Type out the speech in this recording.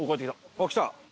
あっ来た！